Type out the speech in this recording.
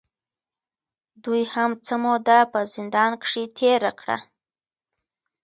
دوې هم څۀ موده پۀ زندان کښې تېره کړه